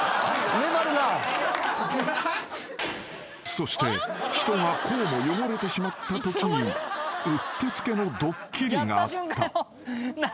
［そして人がこうも汚れてしまったときにうってつけのドッキリがあった］